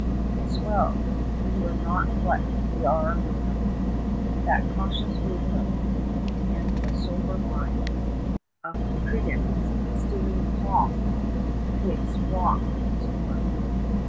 'Tis well: we were not what we are without 10 That cautious wisdom, and the sober mind Of prudence, steering calm 'twixt rock and storm.